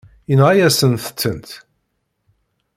Yenɣa-yasent-tent.